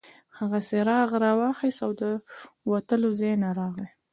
هغه څراغ راواخیست او د وتلو ځای ته راغی.